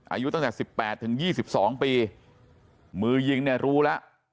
อายุตั้งแต่สิบแปดถึงยี่สิบสองปีมือยิงเนี้ยรู้ล่ะ